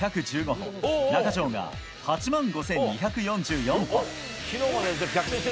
歩中条が８万５２４４歩。